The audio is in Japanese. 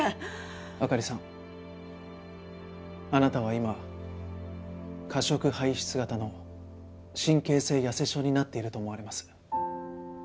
朱里さんあなたは今過食・排出型の神経性やせ症になっていると思われます。